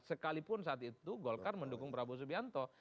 sekalipun saat itu golkar mendukung prabowo subianto